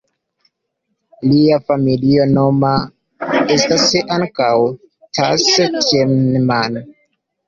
Lia familia nomo estis ankaŭ "Thass-Thienemann".